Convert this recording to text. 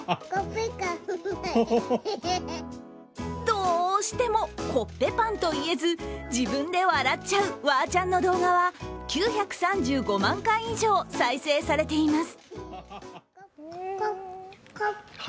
どうしてもコッペパンと言えず自分で笑っちゃうわーちゃんの動画は９３５万回以上、再生されています。